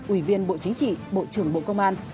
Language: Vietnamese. ủy viên bộ chính trị bộ trưởng bộ công an